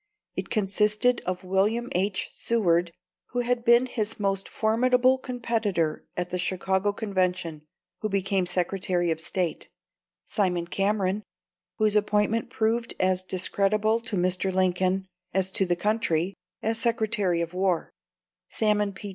It consisted of William H. Seward who had been his most formidable competitor at the Chicago Convention who became Secretary of State; Simon Cameron whose appointment proved as discreditable to Mr. Lincoln as to the country as Secretary of War; Salmon P.